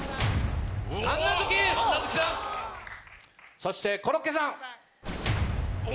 そしてコロッケさん。